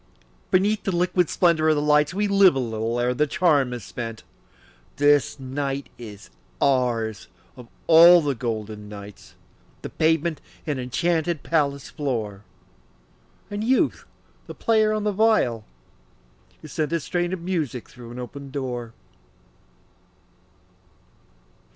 Beneath the liquid splendor of the lights We live a little ere the charm is spent; This night is ours, of all the golden nights, The pavement an enchanted palace floor, And Youth the player on the viol, who sent A strain of music through an open door.